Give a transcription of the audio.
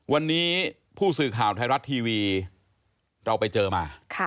วันนี้ผู้สื่อข่าวไทยรัฐทีวีเราไปเจอมา